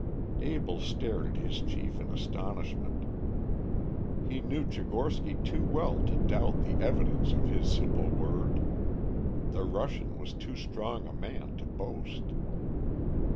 Abell stared at his chief in astonishment. He knew Tchigorsky too well to doubt the evidence of his simple word. The Russian was too strong a man to boast.